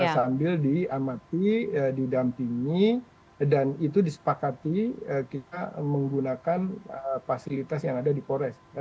sambil diamati didampingi dan itu disepakati kita menggunakan fasilitas yang ada di pores